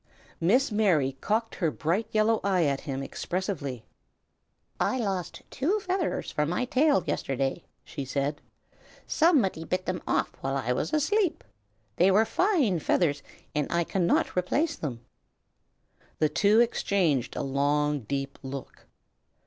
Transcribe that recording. Miss Mary cocked her bright yellow eye at him expressively. "I lost two feathers from my tail, yesterday," she said. "Somebody bit them off while I was asleep. They were fine feathers, and I cannot replace them." The two exchanged a long, deep look.